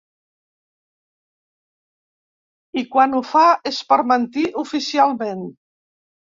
I quan ho fa es per mentir oficialment.